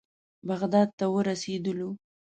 بغداد ته ورسېدلو.